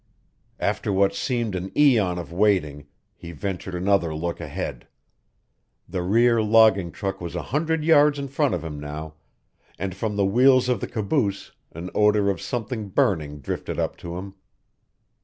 After what seemed an eon of waiting, he ventured another look ahead. The rear logging truck was a hundred yards in front of him now, and from the wheels of the caboose an odour of something burning drifted up to him.